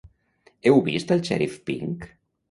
Heu vist al xèrif Pink?